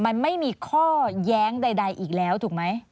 มันไม่มีข้อแย้งใดอีกแล้วถูกไหม